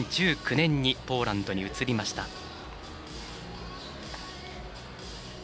２０１９年にポーランドに移りました。